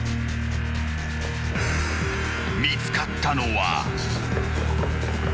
［見つかったのは］